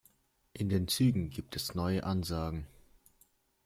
In den Zügen gibt es neue Ansagen.